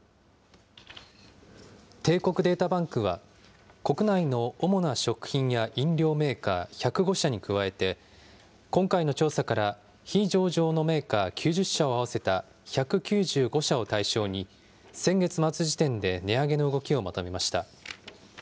帝国データバンクは、国内の主な食品や飲料メーカー１０５社に加えて、今回の調査から非上場のメーカー９０社を合わせた１９５社を対象に、先月末時点で値上げの動きをまとめました。